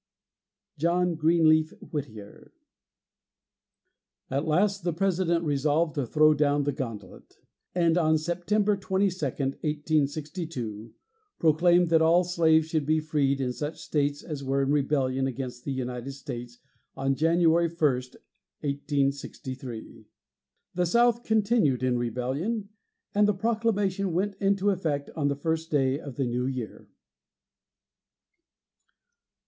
JOHN GREENLEAF WHITTIER. At last the President resolved to throw down the gauntlet, and on September 22, 1862, proclaimed that all slaves should be freed in such states as were in rebellion against the United States on January 1, 1863. The South continued in rebellion, and the proclamation went into effect on the first day of the new year.